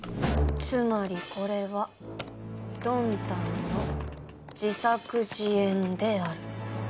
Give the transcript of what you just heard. つまりこれはドンタンの自作自演である。